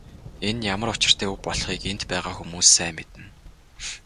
Энэ ямар учиртай үг болохыг энд байгаа хүмүүс сайн мэднэ.